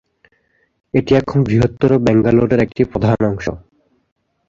এটি এখন বৃহত্তর ব্যাঙ্গালোরের একটি প্রধান অংশ।